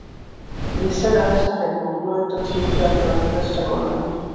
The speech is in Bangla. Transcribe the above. নিসার আলি সাহেব মনে মনে একটি থিওরি দাঁড় করাতে চেষ্টা করলেন।